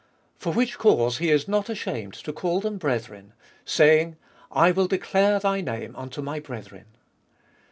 For which cause He is not ashamed to call them Brethren, saying, I will declare Thy name unto My brethren.